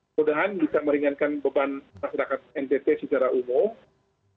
semoga bisa meringankan beban masyarakat npp secara umum